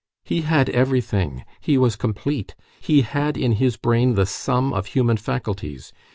He had everything. He was complete. He had in his brain the sum of human faculties.